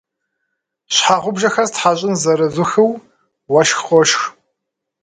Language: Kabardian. Щхьэгъубжэхэр стхьэщӏын зэрызухыу, уэшх къошх.